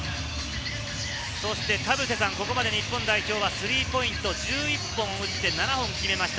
そして田臥さん、ここまで日本代表はスリーポイントを１１本打って、７本決めました。